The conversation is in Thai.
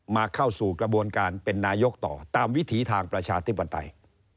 เข้าสู่กระบวนการเป็นนายกต่อตามวิถีทางประชาธิปไตย